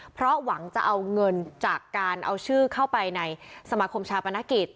เพราะหวังจะเอาเงินจากการเอาชื่อเข้าไปในสมาคมชาปนกิจ